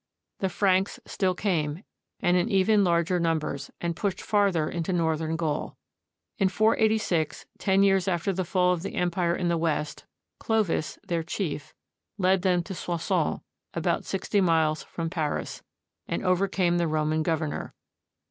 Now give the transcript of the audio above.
^ The Franks still came, and in even larger numbers, and pushed farther into northern Gaul. In 486, ten years after the fall of the Empire in the West, Clovis, their chief, led them to Soissons, about sixty miles from Paris, and over came the Roman governor.